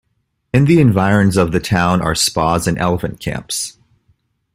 In the environs of the town are spas and elephant camps.